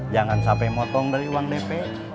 jangan sampai motong dari uang dp